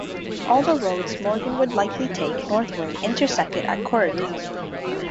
All the roads Morgan would likely take northward intersected at Corydon.